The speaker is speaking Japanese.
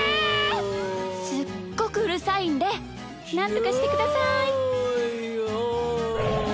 すっごくうるさいんでなんとかしてください。